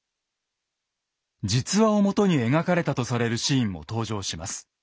実話をもとに描かれたとされるシーンも登場します。